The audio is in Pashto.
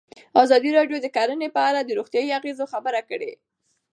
ازادي راډیو د کرهنه په اړه د روغتیایي اغېزو خبره کړې.